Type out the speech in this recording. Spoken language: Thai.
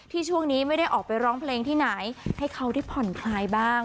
ช่วงนี้ไม่ได้ออกไปร้องเพลงที่ไหนให้เขาได้ผ่อนคลายบ้าง